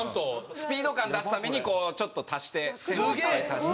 スピード感出すためにこうちょっと足して線をいっぱい足して。